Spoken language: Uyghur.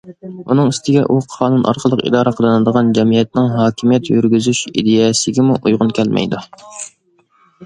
ئۇنىڭ ئۈستىگە، ئۇ قانۇن ئارقىلىق ئىدارە قىلىنىدىغان جەمئىيەتنىڭ ھاكىمىيەت يۈرگۈزۈش ئىدىيەسىگىمۇ ئۇيغۇن كەلمەيدۇ.